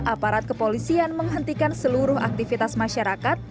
aparat kepolisian menghentikan seluruh aktivitas masyarakat